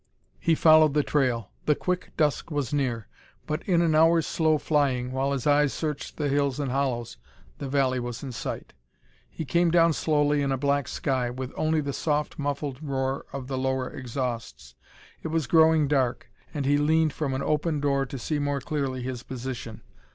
He followed the trail. The quick dusk was near; but in an hour's slow flying, while his eyes searched the hills and hollows, the valley was in sight. He came down slowly in a black sky, with only the soft, muffled roar of the lower exhausts. It was growing dark, and he leaned from an open door to see more clearly his position.